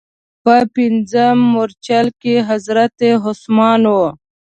په پنځم مورچل کې حضرت عثمان و.